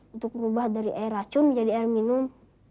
untuk berubah dari air racun menjadi air minum